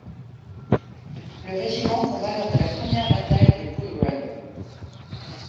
Le régiment combat lors de la première bataille de Bull Run.